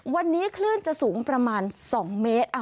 วันนี้คลื่นจะสูงประมาณ๒เมตร